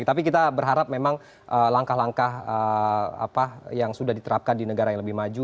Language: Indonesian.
tapi kita berharap memang langkah langkah yang sudah diterapkan di negara yang lebih maju